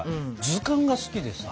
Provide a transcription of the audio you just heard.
図鑑が好きでさ。